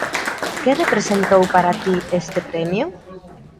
Que representou para ti este premio?